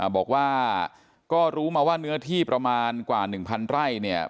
บอกว่าก็รู้มาว่าเนื้อที่ประมาณกว่า๑๐๐ไร่เนี่ย